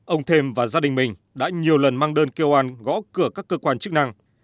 ông thêm và gia đình mình đã nhiều lần mang đơn kêu an gõ cửa các cơ quan chức năng